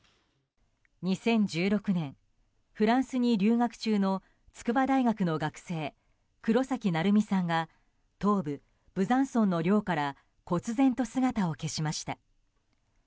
２０１６年、フランスに留学中の筑波大学の学生・黒崎愛海さんが東部ブザンソンの寮から忽然と姿を消しました。